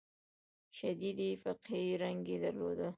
شدید فقهي رنګ یې درلود.